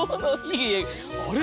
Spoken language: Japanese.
あれ？